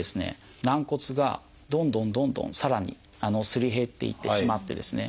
軟骨がどんどんどんどんさらにすり減っていってしまってですね